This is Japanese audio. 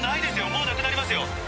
もうなくなりますよ